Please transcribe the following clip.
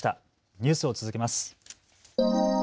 ニュースを続けます。